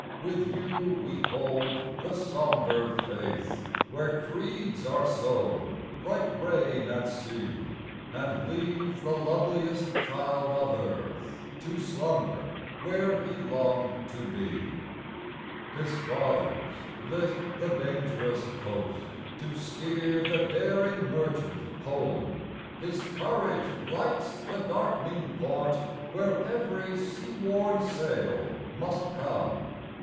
With you we hold the sombre faith Where creeds are sown like rain at sea; And leave the loveliest child of earth To slumber where he longed to be. His fathers lit the dangerous coast To steer the daring merchant home; His courage lights the dark'ning port Where every sea worn sail must come.